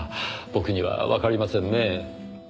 僕にはわかりませんねぇ。